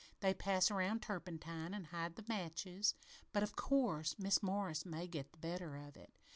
They pass around turpentine an' hide the matches. But, of course, Mis' Morris may get the better of it.